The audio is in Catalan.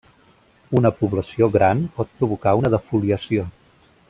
Una població gran pot provocar una defoliació.